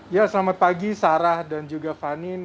ya selamat pagi sarah dan juga vanin